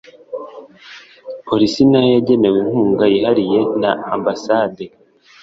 Police nayo yagenewe inkunga yihariye na Ambasade